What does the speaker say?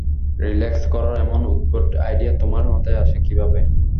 Relax করার এমন উদ্ভট আইডিয়া তোমার মাথায় আসে কিভাবে!